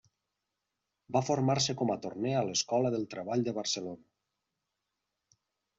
Va formar-se com a torner a l'Escola del Treball de Barcelona.